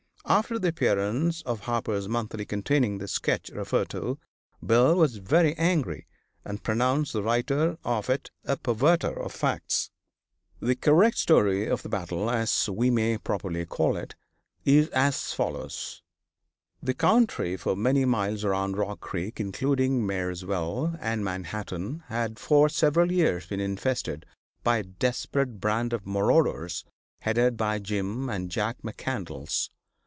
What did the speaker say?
After the appearance of Harper's Monthly containing the sketch referred to, Bill was very angry and pronounced the writer of it a perverter of facts. The correct story of the "battle," as we may very properly call it, is as follows: The country for many miles around Rock Creek, including Marysville and Manhattan, had for several years been infested by a desperate band of marauders headed by Jim and Jack McCandlas.